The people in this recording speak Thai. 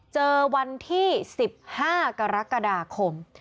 เจอวันที่๑๕กรกฎาคม